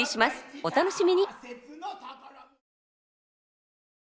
お楽しみに！